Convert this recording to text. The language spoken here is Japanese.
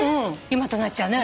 今となっちゃね。